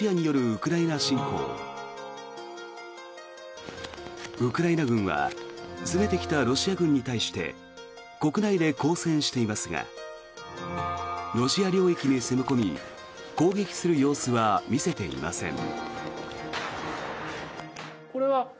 ウクライナ軍は攻めてきたロシア軍に対して国内で抗戦していますがロシア領域に攻め込み攻撃する様子は見せていません。